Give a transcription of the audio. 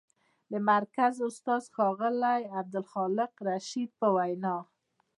د مرکز استاد، ښاغلي عبدالخالق رشید په وینا: